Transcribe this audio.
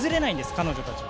彼女たちは。